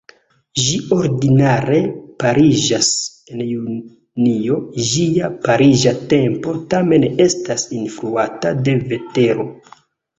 Ĝi ordinare pariĝas en junio, ĝia pariĝa tempo tamen estas influata de vetero.